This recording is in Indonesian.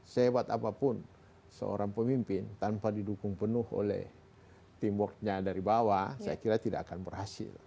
sehebat apapun seorang pemimpin tanpa didukung penuh oleh teamworknya dari bawah saya kira tidak akan berhasil